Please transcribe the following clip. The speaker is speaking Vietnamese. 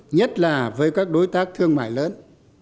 nhất là với các đối tác thương mại lớn